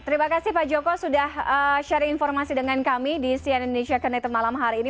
terima kasih pak joko sudah sharing informasi dengan kami di sian indonesia connected malam hari ini